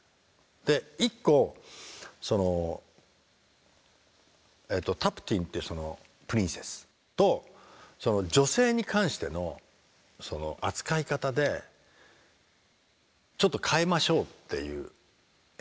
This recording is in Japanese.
で１個タプティムってプリンセスとその女性に関しての扱い方でちょっと変えましょうっていう演出家の指示があったわけ。